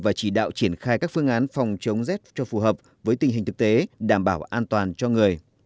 và chỉ đạo triển khai các phương án phòng chống rét cho phù hợp với tình hình thực tế đảm bảo an toàn cho người